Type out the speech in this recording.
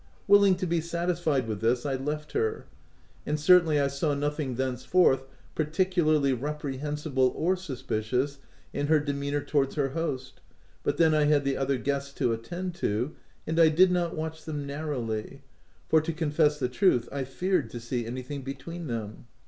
Willing to be satisfied with this, I left her ; and certainly I saw nothing thence forth particularly reprehensible or suspicious in her demeanour towards her host; but then I had the other guests to attend to, and I did not watch them narrowly —for to confess the truth, I feared to see anything between them.